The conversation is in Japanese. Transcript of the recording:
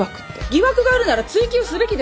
疑惑があるなら追及すべきです。